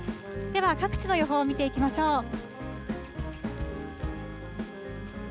では、各地の予報を見ていきましょう。